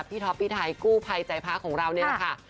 ท็อปพี่ไทยกู้ภัยใจพระของเรานี่แหละค่ะ